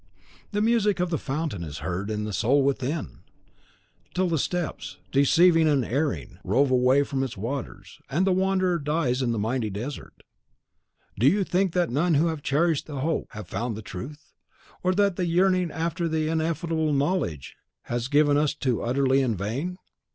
The music of the fountain is heard in the soul WITHIN, till the steps, deceived and erring, rove away from its waters, and the wanderer dies in the mighty desert. Think you that none who have cherished the hope have found the truth, or that the yearning after the Ineffable Knowledge was given to us utterly in vain?